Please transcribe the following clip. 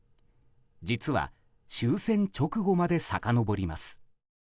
実は終戦直後までさかのぼります。